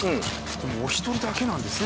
お一人だけなんですね